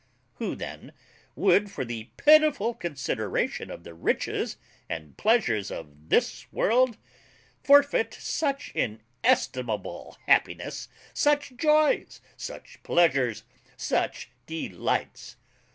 Who then would, for the pitiful consideration of the riches and pleasures of this world, forfeit such inestimable happiness! such joys! such pleasures! such delights?